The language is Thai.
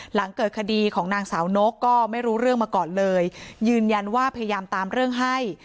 หลังเกิดคดีของนางสาวนกก็ไม่รู้เรื่องมาก่อนเลยยืนยันว่าพยายามตามเรื่องให้